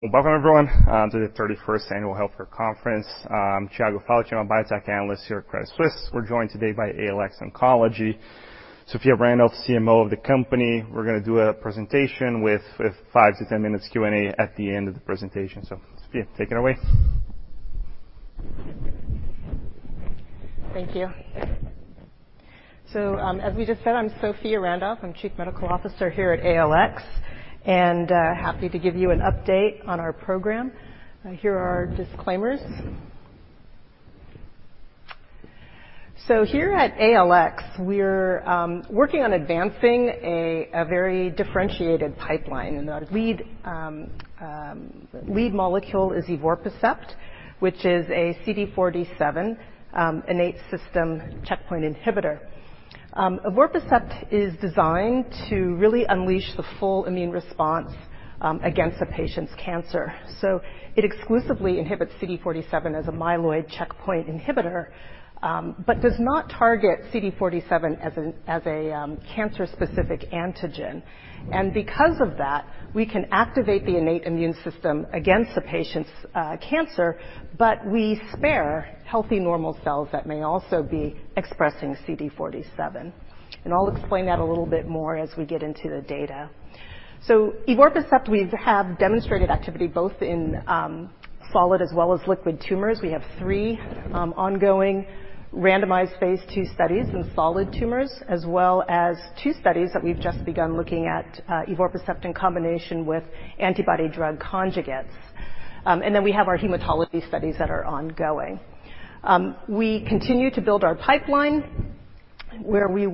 Welcome, everyone, to the 31st Annual Healthcare Conference. I'm Tiago Faleiro. I'm a biotech analyst here at Credit Suisse. We're joined today by ALX Oncology. Sophia Randolph, CMO of the company. We're gonna do a presentation with 5-10 minutes Q&A at the end of the presentation. Sophia, take it away. Thank you. As we just said, I'm Sophia Randolph. I'm Chief Medical Officer here at ALX, and happy to give you an update on our program. Here are our disclaimers. Here at ALX, we're working on advancing a very differentiated pipeline, and our lead molecule is evorpacept, which is a CD47 innate immune system checkpoint inhibitor. Evorpacept is designed to really unleash the full immune response against a patient's cancer. It exclusively inhibits CD47 as a myeloid checkpoint inhibitor, but does not target CD47 as a cancer-specific antigen. Because of that, we can activate the innate immune system against a patient's cancer, but we spare healthy normal cells that may also be expressing CD47. I'll explain that a little bit more as we get into the data. Evorpacept, we have demonstrated activity both in solid as well as liquid tumors. We have three ongoing randomized phase II studies in solid tumors, as well as two studies that we've just begun looking at evorpacept in combination with antibody drug conjugates. We have our hematology studies that are ongoing. We continue to build our pipeline where we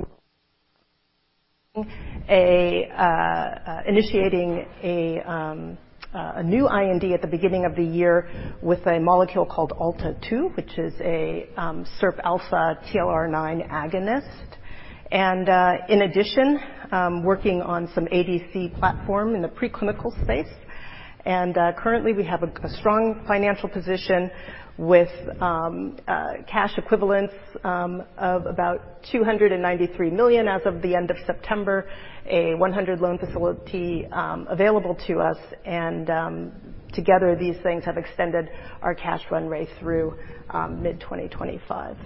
are initiating a new IND at the beginning of the year with a molecule called ALTA-002, which is a SIRPα TLR9 agonist. In addition, working on some ADC platform in the preclinical space. Currently, we have a strong financial position with cash equivalents of about $293 million as of the end of September. A $100 million loan facility, available to us and, together these things have extended our cash run rate through mid-2025.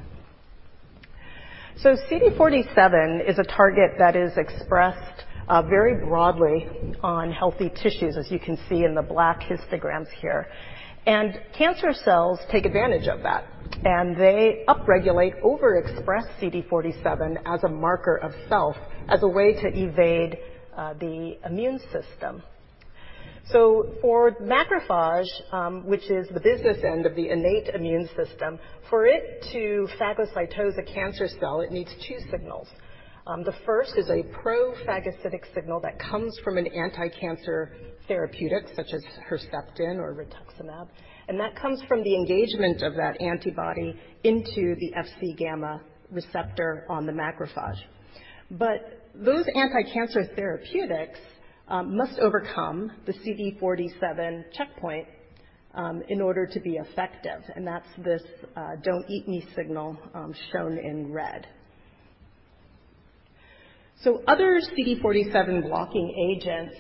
CD47 is a target that is expressed very broadly on healthy tissues, as you can see in the black histograms here. Cancer cells take advantage of that, and they upregulate overexpressed CD47 as a marker of self as a way to evade the immune system. For macrophage, which is the business end of the innate immune system, for it to phagocytose a cancer cell, it needs two signals. The first is a pro-phagocytic signal that comes from an anti-cancer therapeutic, such as Herceptin or rituximab, and that comes from the engagement of that antibody into the Fc gamma receptor on the macrophage. Those anti-cancer therapeutics must overcome the CD47 checkpoint in order to be effective, and that's this "don't eat me" signal shown in red. Other CD47 blocking agents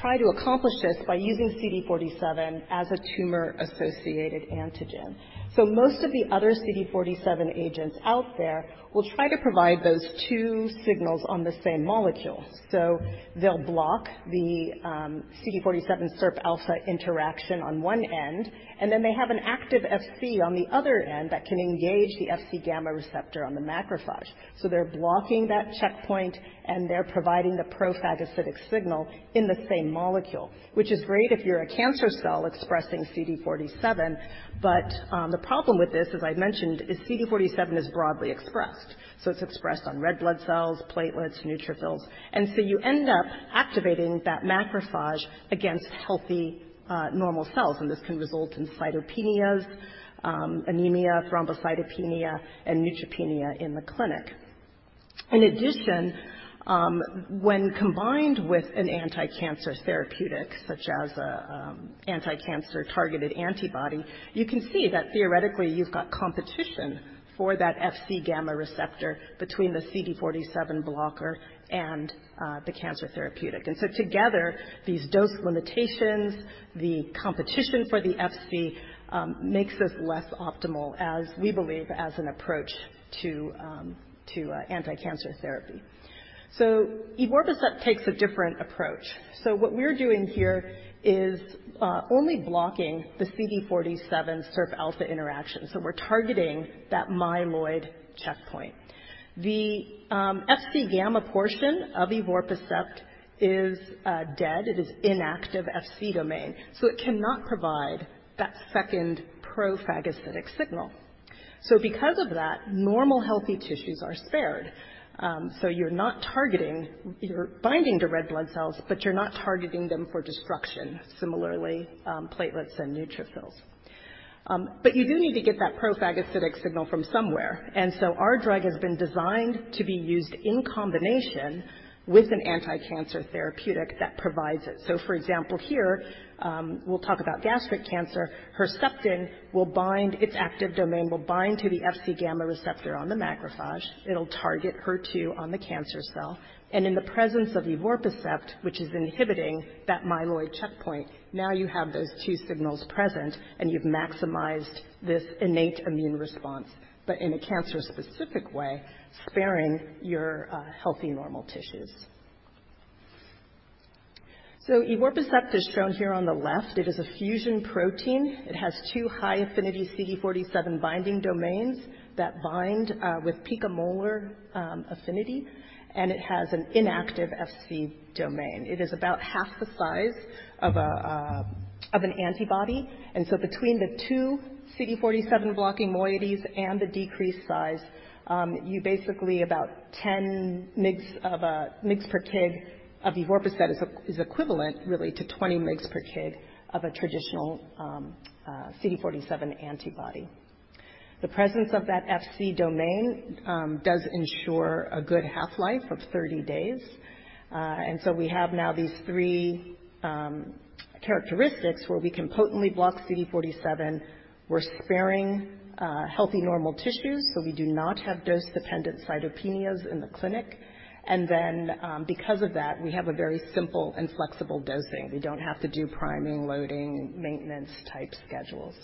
try to accomplish this by using CD47 as a tumor-associated antigen. Most of the other CD47 agents out there will try to provide those two signals on the same molecule. They'll block the CD47 SIRPα interaction on one end, and then they have an active Fc on the other end that can engage the Fc gamma receptor on the macrophage. They're blocking that checkpoint, and they're providing the pro-phagocytic signal in the same molecule, which is great if you're a cancer cell expressing CD47. The problem with this, as I mentioned, is CD47 is broadly expressed, so it's expressed on red blood cells, platelets, neutrophils, and so you end up activating that macrophage against healthy, normal cells, and this can result in cytopenias, anemia, thrombocytopenia, and neutropenia in the clinic. In addition, when combined with an anti-cancer therapeutic, such as an anti-cancer targeted antibody, you can see that theoretically you've got competition for that Fc gamma receptor between the CD47 blocker and the cancer therapeutic. Together, these dose limitations, the competition for the Fc, makes this less optimal as we believe as an approach to anti-cancer therapy. Evorpacept takes a different approach. What we're doing here is only blocking the CD47 SIRPα interaction, so we're targeting that myeloid checkpoint. The Fc gamma portion of evorpacept is dead. It is inactive Fc domain, so it cannot provide that second pro-phagocytic signal. Because of that, normal healthy tissues are spared. You're binding to red blood cells, but you're not targeting them for destruction, similarly, platelets and neutrophils. You do need to get that pro-phagocytic signal from somewhere. Our drug has been designed to be used in combination with an anti-cancer therapeutic that provides it. For example, here, we'll talk about gastric cancer. Herceptin will bind. Its active domain will bind to the Fc gamma receptor on the macrophage. It'll target HER2 on the cancer cell. In the presence of evorpacept, which is inhibiting that myeloid checkpoint, now you have those two signals present, and you've maximized this innate immune response, but in a cancer-specific way, sparing your healthy normal tissues. Evorpacept is shown here on the left. It is a fusion protein. It has two high-affinity CD47 binding domains that bind with picomolar affinity, and it has an inactive Fc domain. It is about half the size of an antibody. Between the two CD47 blocking moieties and the decreased size, you basically about 10 mg per kg of evorpacept is equivalent really to 20 mg per kg of a traditional CD47 antibody. The presence of that Fc domain does ensure a good half-life of 30 days. We have now these three characteristics where we can potently block CD47. We're sparing healthy normal tissues, so we do not have dose-dependent cytopenias in the clinic. Because of that, we have a very simple and flexible dosing. We don't have to do priming, loading, maintenance type schedules.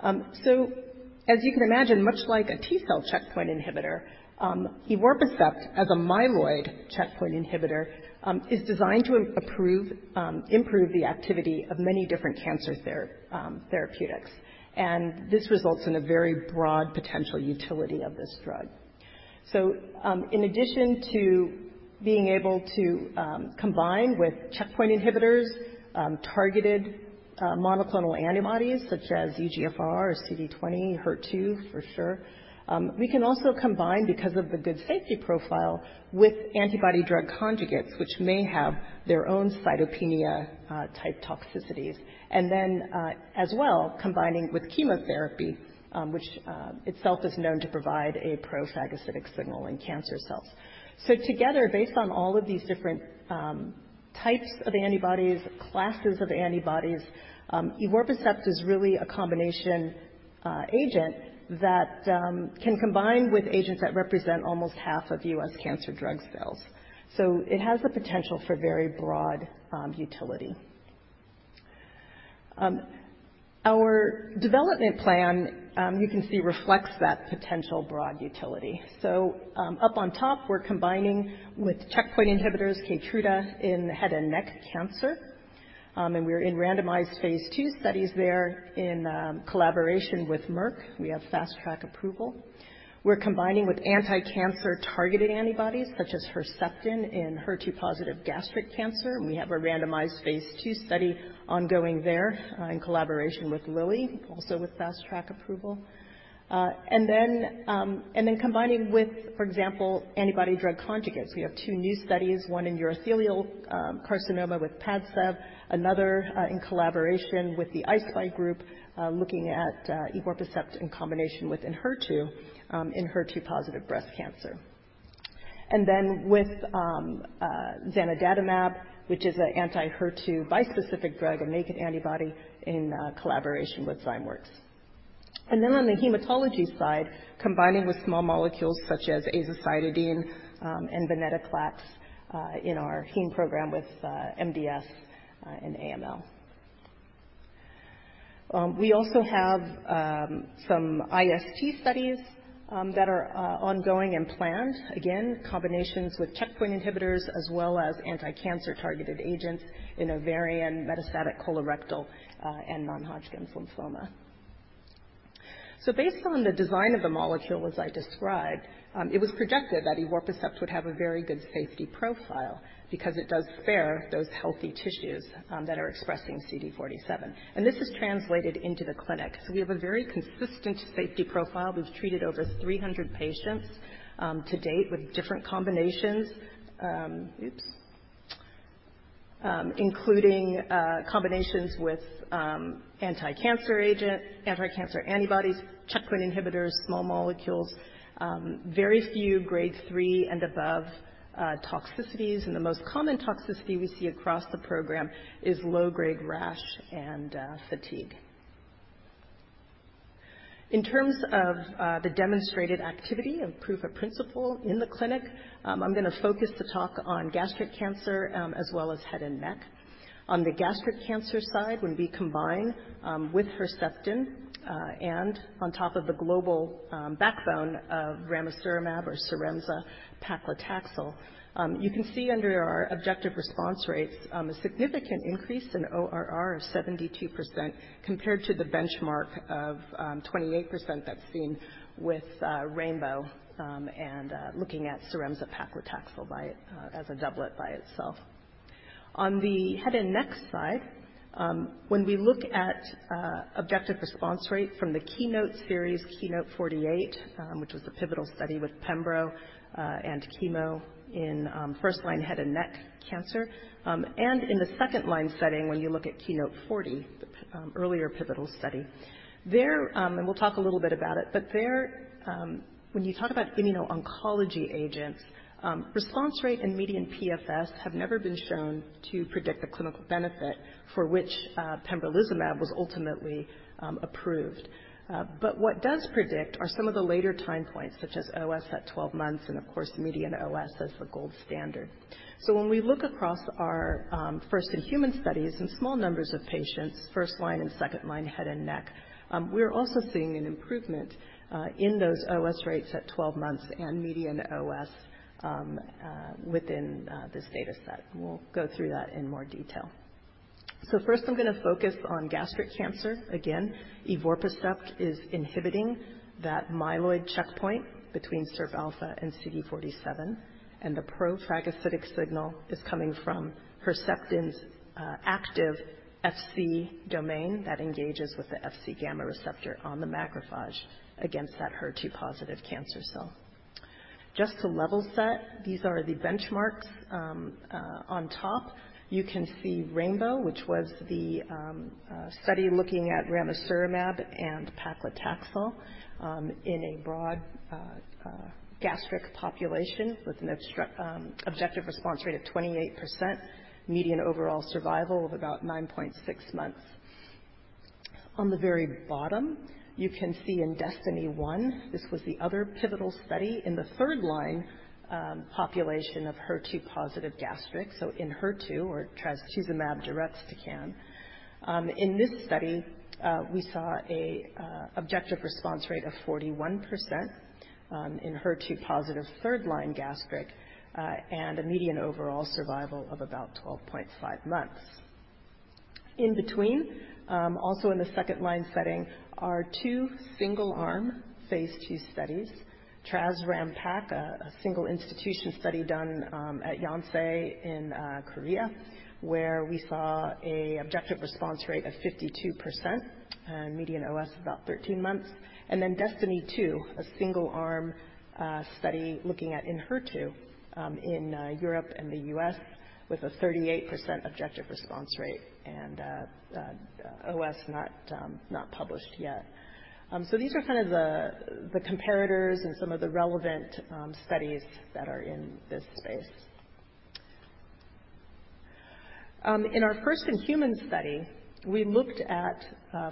As you can imagine, much like a T-cell checkpoint inhibitor, evorpacept as a myeloid checkpoint inhibitor is designed to improve the activity of many different cancer therapeutics. This results in a very broad potential utility of this drug. In addition to being able to combine with checkpoint inhibitors, targeted monoclonal antibodies such as EGFR or CD20, HER2 for sure, we can also combine because of the good safety profile with antibody-drug conjugates, which may have their own cytopenia-type toxicities, and then as well combining with chemotherapy, which itself is known to provide a pro-phagocytic signal in cancer cells. Together, based on all of these different types of antibodies, classes of antibodies, evorpacept is really a combination agent that can combine with agents that represent almost half of U.S. cancer drug sales. It has the potential for very broad utility. Our development plan you can see reflects that potential broad utility. Up on top, we're combining with checkpoint inhibitors Keytruda in head and neck cancer. We're in randomized phase II studies there in collaboration with Merck. We have fast-track approval. We're combining with anti-cancer targeted antibodies such as Herceptin in HER2-positive gastric cancer. We have a randomized phase II study ongoing there in collaboration with Lilly, also with fast-track approval. Combining with, for example, antibody drug conjugates. We have two new studies, one in urothelial carcinoma with Padcev, another in collaboration with the Eisai group looking at evorpacept in combination with Enhertu in HER2-positive breast cancer. With zanidatamab, which is an anti-HER2 bispecific drug, a naked antibody in collaboration with Zymeworks. On the hematology side, combining with small molecules such as azacitidine and venetoclax in our heme program with MDS and AML. We also have some IST studies that are ongoing and planned. Again, combinations with checkpoint inhibitors as well as anti-cancer targeted agents in ovarian metastatic colorectal, and non-Hodgkin's lymphoma. Based on the design of the molecule as I described, it was projected that evorpacept would have a very good safety profile because it does spare those healthy tissues that are expressing CD47, and this is translated into the clinic. We have a very consistent safety profile. We've treated over 300 patients to date with different combinations. Including combinations with anti-cancer agent, anti-cancer antibodies, checkpoint inhibitors, small molecules. Very few grade 3 and above toxicities, and the most common toxicity we see across the program is low-grade rash and fatigue. In terms of the demonstrated activity of proof of principle in the clinic, I'm gonna focus the talk on gastric cancer, as well as head and neck. On the gastric cancer side, when we combine with Herceptin, and on top of the global backbone of ramucirumab or Cyramza paclitaxel, you can see under our objective response rates a significant increase in ORR of 72% compared to the benchmark of 28% that's seen with RAINBOW, and looking at Cyramza paclitaxel by it as a doublet by itself. On the head and neck side, when we look at objective response rate from the KEYNOTE Series, KEYNOTE-048, which was the pivotal study with pembro and chemo in first-line head and neck cancer. In the second-line setting, when you look at KEYNOTE-040, the earlier pivotal study. We'll talk a little bit about it, but there, when you talk about immuno-oncology agents, response rate and median PFS have never been shown to predict the clinical benefit for which pembrolizumab was ultimately approved. What does predict are some of the later time points such as OS at 12 months and of course, median OS as the gold standard. When we look across our first-in-human studies in small numbers of patients, first-line and second-line head and neck, we're also seeing an improvement in those OS rates at 12 months and median OS within this data set. We'll go through that in more detail. First, I'm gonna focus on gastric cancer. Again, evorpacept is inhibiting that myeloid checkpoint between SIRPα and CD47, and the pro-phagocytic signal is coming from Herceptin’s active Fc domain that engages with the Fc gamma receptor on the macrophage against that HER2-positive cancer cell. Just to level set, these are the benchmarks. On top, you can see RAINBOW, which was the study looking at ramucirumab and paclitaxel in a broad gastric population with an objective response rate of 28%, median overall survival of about 9.6 months. On the very bottom, you can see in DESTINY-Gastric01, this was the other pivotal study in the third-line population of HER2-positive gastric, so in HER2 or trastuzumab deruxtecan. In this study, we saw an objective response rate of 41% in HER2-positive third-line gastric and a median overall survival of about 12.5 months. In between, also in the second-line setting are two single-arm phase II studies. TrasRamPac, a single institution study done at Yonsei in Korea, where we saw an objective response rate of 52% and median OS about 13 months. DESTINY-02, a single-arm study looking at in HER2 in Europe and the U.S. with a 38% objective response rate and OS not published yet. These are kind of the comparators and some of the relevant studies that are in this space. In our first-in-human study, we looked at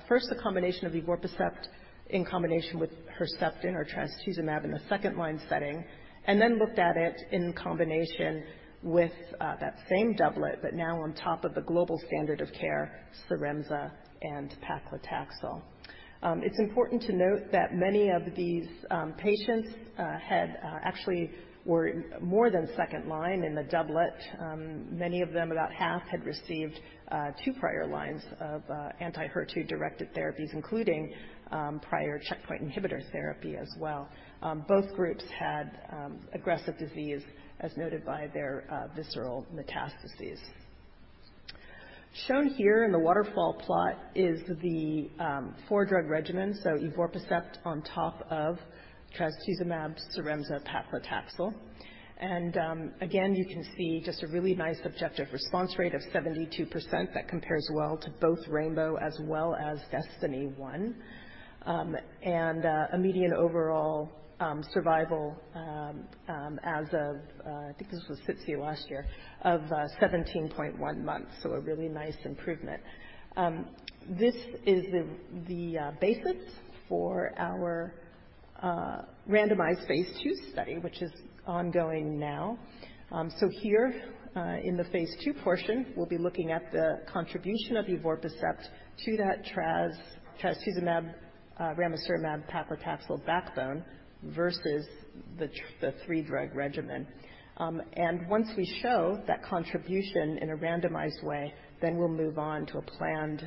first the combination of evorpacept in combination with Herceptin or trastuzumab in a second-line setting, and then looked at it in combination with that same doublet, but now on top of the global standard of care, Cyramza and paclitaxel. It's important to note that many of these patients actually were more than second-line in the doublet. Many of them, about half, had received two prior lines of anti-HER2 directed therapies, including prior checkpoint inhibitor therapy as well. Both groups had aggressive disease as noted by their visceral metastases. Shown here in the waterfall plot is the four-drug regimen, so evorpacept on top of trastuzumab, Cyramza, paclitaxel. Again, you can see just a really nice objective response rate of 72% that compares well to both RAINBOW as well as DESTINY-Gastric01. A median overall survival as of I think this was SITC last year, of 17.1 months. A really nice improvement. This is the basis for our randomized phase II study, which is ongoing now. Here, in the phase II portion, we'll be looking at the contribution of evorpacept to that trastuzumab, ramucirumab, paclitaxel backbone versus the three-drug regimen. Once we show that contribution in a randomized way, we'll move on to a planned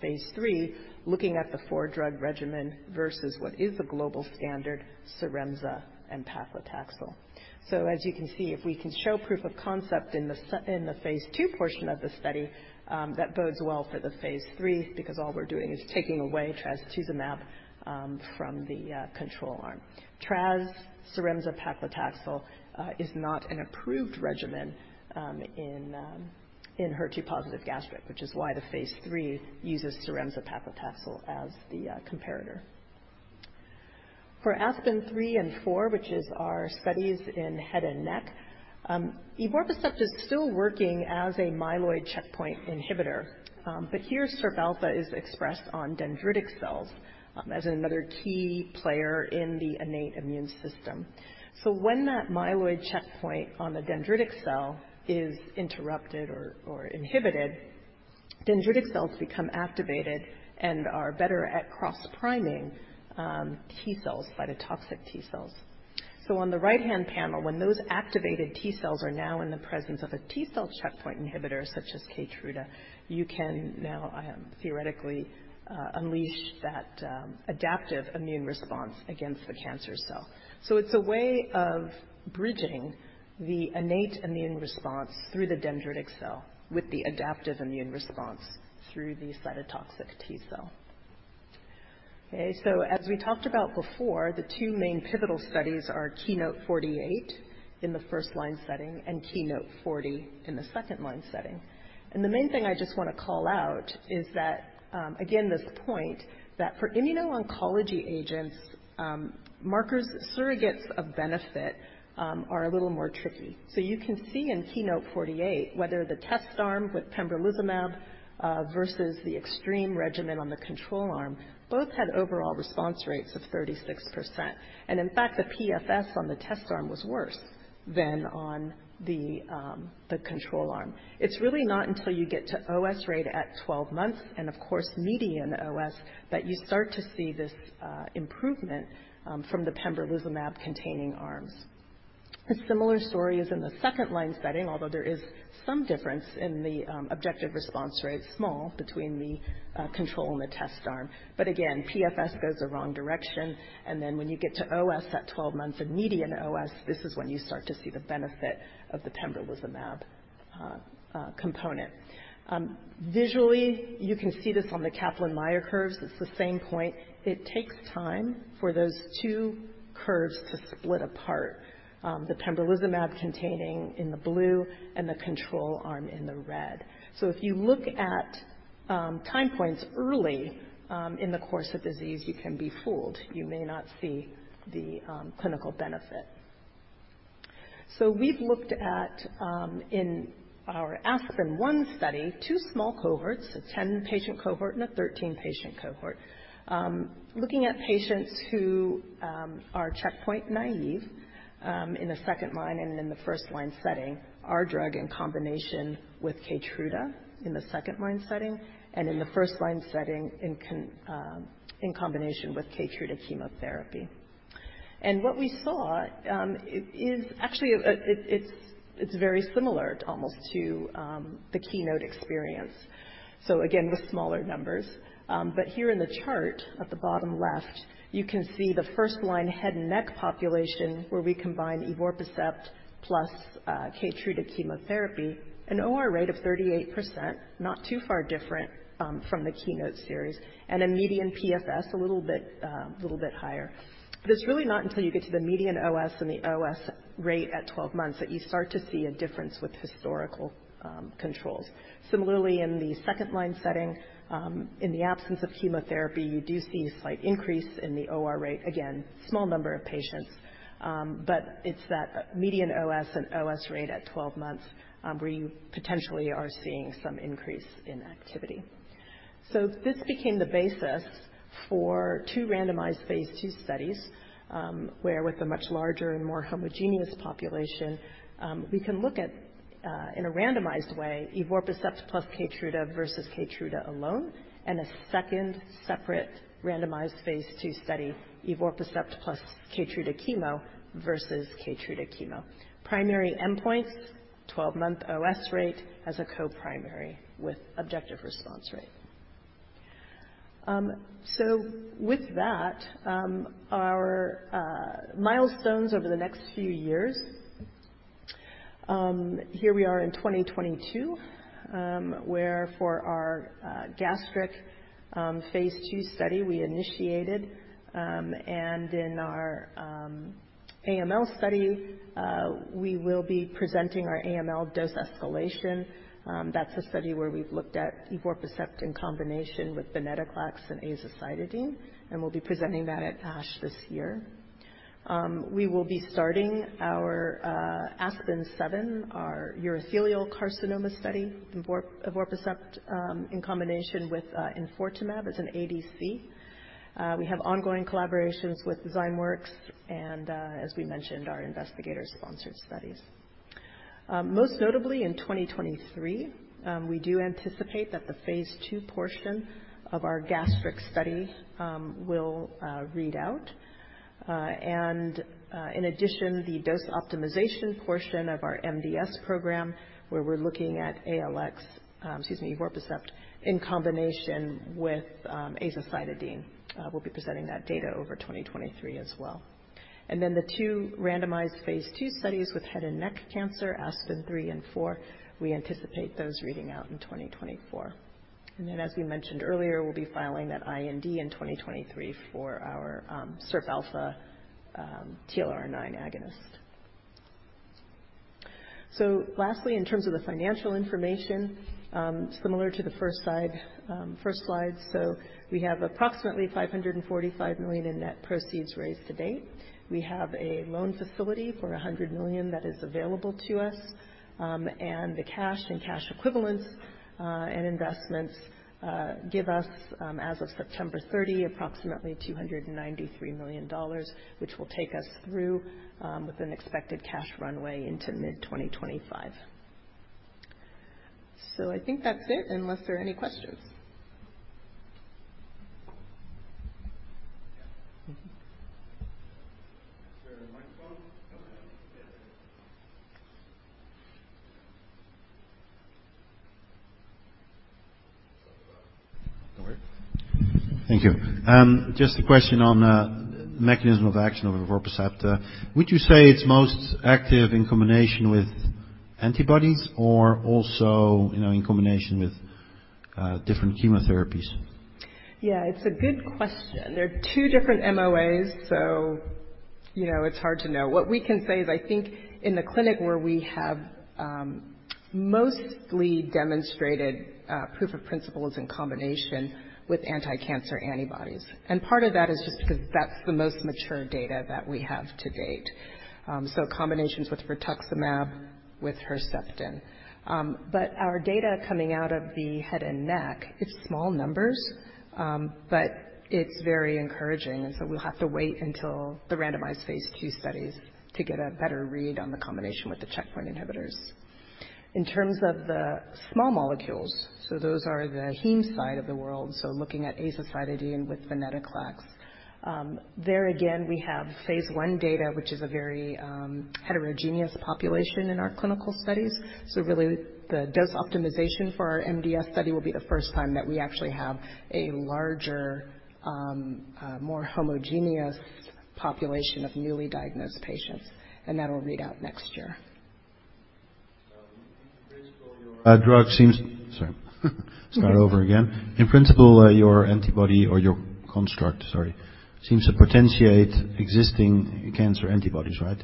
phase III, looking at the 4-drug regimen versus what is the global standard Cyramza and paclitaxel. As you can see, if we can show proof of concept in the phase II portion of the study, that bodes well for the phase III because all we're doing is taking away trastuzumab from the control arm. Trastuzumab, Cyramza, paclitaxel is not an approved regimen in HER2-positive gastric, which is why the phase III uses Cyramza, paclitaxel as the comparator. For ASPEN-03 and ASPEN-04, which is our studies in head and neck, evorpacept is still working as a myeloid checkpoint inhibitor. But here SIRPα is expressed on dendritic cells as another key player in the innate immune system. When that myeloid checkpoint on the dendritic cell is interrupted or inhibited, dendritic cells become activated and are better at cross-priming T-cells, cytotoxic T-cells. On the right-hand panel, when those activated T-cells are now in the presence of a T-cell checkpoint inhibitor such as Keytruda, you can now theoretically unleash that adaptive immune response against the cancer cell. It's a way of bridging the innate immune response through the dendritic cell with the adaptive immune response through the cytotoxic T-cell. As we talked about before, the two main pivotal studies are KEYNOTE-048 in the first-line setting and KEYNOTE-040 in the second-line setting. The main thing I just wanna call out is that, again, this point that for immuno-oncology agents, markers, surrogates of benefit, are a little more tricky. You can see in KEYNOTE-048, whether the test arm with pembrolizumab versus the EXTREME regimen on the control arm, both had overall response rates of 36%. In fact, the PFS on the test arm was worse than on the control arm. It's really not until you get to OS rate at 12 months and of course, median OS that you start to see this improvement from the pembrolizumab-containing arms. A similar story is in the second-line setting, although there is some difference in the objective response rate, small between the control and the test arm. Again, PFS goes the wrong direction. Then when you get to OS at 12 months, a median OS, this is when you start to see the benefit of the pembrolizumab component. Visually, you can see this on the Kaplan-Meier curves. It's the same point. It takes time for those two curves to split apart. The pembrolizumab containing in the blue and the control arm in the red. If you look at time points early in the course of disease, you can be fooled. You may not see the clinical benefit. We've looked at in our ASPEN-01 study, two small cohorts, a 10-patient cohort and a 13-patient cohort. Looking at patients who are checkpoint naive in the second line and in the first line setting, our drug in combination with Keytruda in the second line setting and in the first line setting in combination with Keytruda chemotherapy. What we saw is actually it's very similar almost to the KEYNOTE experience. Again, with smaller numbers. Here in the chart at the bottom left, you can see the first-line head and neck population where we combine evorpacept plus Keytruda chemotherapy, an OR rate of 38%, not too far different from the KEYNOTE series. A median PFS a little bit higher. It's really not until you get to the median OS and the OS rate at 12 months that you start to see a difference with historical controls. Similarly, in the second-line setting, in the absence of chemotherapy, you do see a slight increase in the OR rate. Again, small number of patients, but it's that median OS and OS rate at 12 months where you potentially are seeing some increase in activity. This became the basis for two randomized phase II studies, where with a much larger and more homogeneous population, we can look at, in a randomized way, evorpacept plus Keytruda versus Keytruda alone. A second separate randomized phase II study, evorpacept plus Keytruda chemo versus Keytruda chemo. Primary endpoints, 12-month OS rate as a co-primary with objective response rate. With that, our milestones over the next few years. Here we are in 2022, where for our gastric phase II study we initiated. In our AML study, we will be presenting our AML dose escalation. That's a study where we've looked at evorpacept in combination with venetoclax and azacitidine, and we'll be presenting that at ASH this year. We will be starting our ASPEN-07, our urothelial carcinoma study, evorpacept in combination with enfortumab vedotin. It's an ADC. We have ongoing collaborations with Zymeworks and, as we mentioned, our investigator-sponsored studies. Most notably in 2023, we do anticipate that the phase II portion of our gastric study will read out. In addition, the dose optimization portion of our MDS program, where we're looking at evorpacept in combination with azacitidine. We'll be presenting that data in 2023 as well. The two randomized phase II studies with head and neck cancer, ASPEN-03 and ASPEN-04, we anticipate those reading out in 2024. As we mentioned earlier, we'll be filing that IND in 2023 for our SIRPα TLR9 agonist. Last, in terms of the financial information, similar to the first slide. We have approximately $545 million in net proceeds raised to date. We have a loan facility for $100 million that is available to us. And the cash and cash equivalents and investments give us, as of September 30, approximately $293 million, which will take us through with an expected cash runway into mid-2025. I think that's it, unless there are any questions. Is there a microphone? Mm-hmm. Don't worry. Thank you. Just a question on the mechanism of action of evorpacept. Would you say it's most active in combination with antibodies or also, you know, in combination with different chemotherapies? Yeah, it's a good question. There are two different MOAs. You know, it's hard to know. What we can say is, I think in the clinic where we have mostly demonstrated proof of principles in combination with anticancer antibodies. Part of that is just 'cause that's the most mature data that we have to date. Combinations with rituximab, with Herceptin. Our data coming out of the head and neck, it's small numbers, but it's very encouraging. We'll have to wait until the randomized phase II studies to get a better read on the combination with the checkpoint inhibitors. In terms of the small molecules, those are the heme side of the world, looking at azacitidine with venetoclax. There again, we have phase I data, which is a very heterogeneous population in our clinical studies. Really the dose optimization for our MDS study will be the first time that we actually have a larger, more homogeneous population of newly diagnosed patients, and that'll read out next year. In principle, your antibody or your construct, sorry, seems to potentiate existing cancer antibodies, right?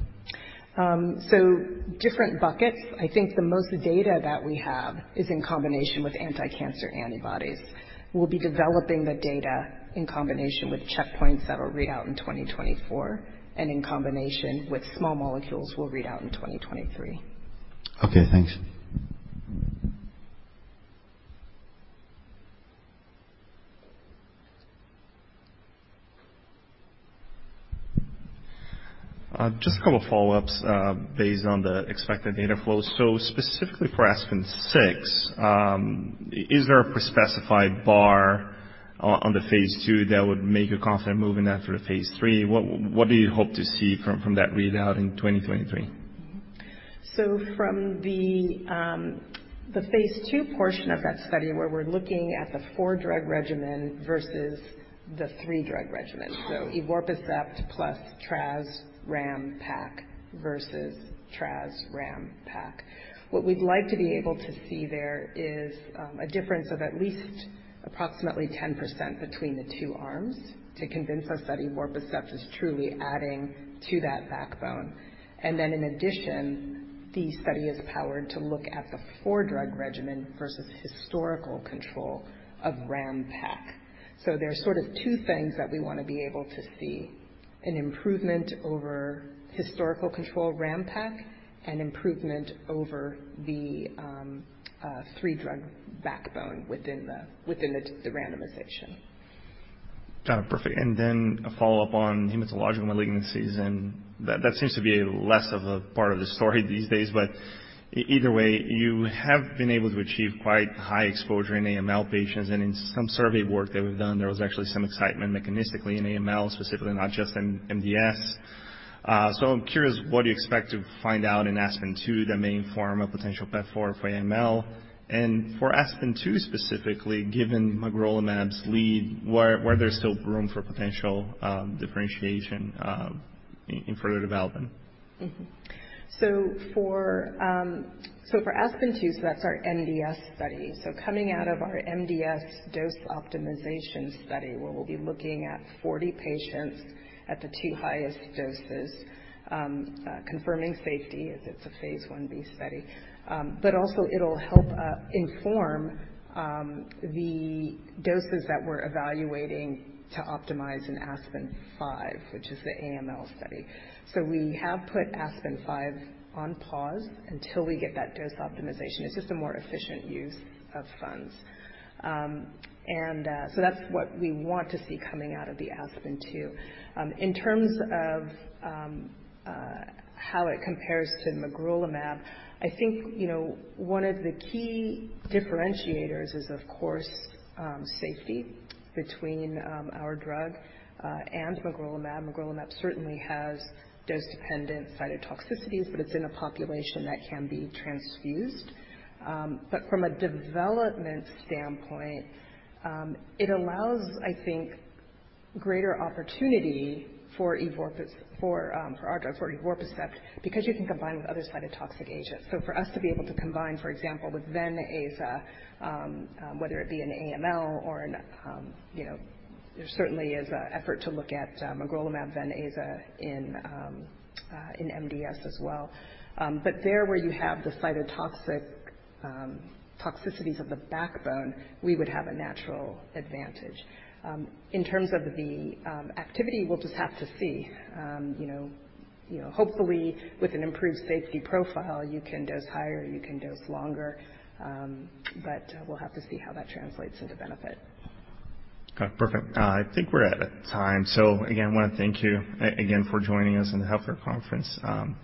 Different buckets. I think the most data that we have is in combination with anti-cancer antibodies. We'll be developing the data in combination with checkpoints that'll read out in 2024 and in combination with small molecules will read out in 2023. Okay. Thanks. Just a couple follow-ups based on the expected data flow. Specifically for ASPEN-06, is there a pre-specified bar on the phase II that would make a confident move in after phase III? What do you hope to see from that readout in 2023? From the phase II portion of that study where we're looking at the four-drug regimen versus the three-drug regimen, evorpacept plus tras, ram, pac versus tras, ram, pac. What we'd like to be able to see there is a difference of at least approximately 10% between the two arms to convince our study evorpacept is truly adding to that backbone. In addition, the study is powered to look at the four-drug regimen versus historical control of ram pac. There's sort of two things that we wanna be able to see, an improvement over historical control ram pac and improvement over the three-drug backbone within the randomization. Got it. Perfect. A follow-up on hematologic malignancies, and that seems to be less of a part of the story these days. Either way, you have been able to achieve quite high exposure in AML patients, and in some survey work that we've done, there was actually some excitement mechanistically in AML specifically, not just in MDS. I'm curious what you expect to find out in ASPEN-02 that may inform a potential path forward for AML. For ASPEN-02 specifically, given magrolimab's lead, where there's still room for potential differentiation in further development? Mm-hmm. For ASPEN-02, that's our MDS study. Coming out of our MDS dose optimization study where we'll be looking at 40 patients at the two highest doses, confirming safety as it's a phase I-B study. But also it'll help inform the doses that we're evaluating to optimize in ASPEN-05, which is the AML study. We have put ASPEN-05 on pause until we get that dose optimization. It's just a more efficient use of funds. That's what we want to see coming out of the ASPEN-02. In terms of how it compares to magrolimab, I think, you know, one of the key differentiators is of course safety between our drug and magrolimab. Magrolimab certainly has dose-dependent cytotoxicity, but it's in a population that can be transfused. From a development standpoint, it allows, I think, greater opportunity for evorpacept, for our drug, evorpacept, because you can combine with other cytotoxic agents. For us to be able to combine, for example, with VEN-AZA, whether it be an AML or an, you know, there certainly is a effort to look at magrolimab VEN-AZA in MDS as well. There where you have the cytotoxic toxicities of the backbone, we would have a natural advantage. In terms of the activity, we'll just have to see, you know. You know, hopefully with an improved safety profile, you can dose higher, you can dose longer, but we'll have to see how that translates into benefit. Okay. Perfect. I think we're out of time. Again, I wanna thank you again for joining us in the Healthcare conference.